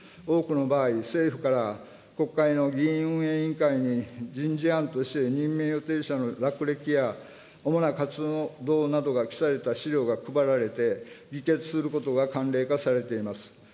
多くの場合、政府から国会の議院運営委員会に人事案として任命予定者の略歴や主な活動などが記された資料が配られて、議決することが慣例化されています。